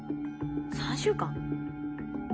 ３週間！？